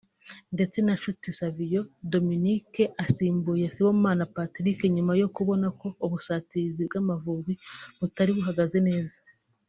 ndetse na Nshuti Savio Dominique asimbura Sibomana Patrick nyuma yo kubona ko ubusatirizi bw’Amavubi butari buhagaze neza